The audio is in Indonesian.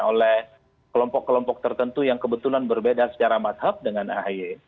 oleh kelompok kelompok tertentu yang kebetulan berbeda secara madhab dengan ahy